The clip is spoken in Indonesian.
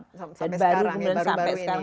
sampai sekarang baru ini